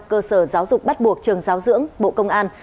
cơ sở giáo dục bắt buộc trường giáo dưỡng bộ công an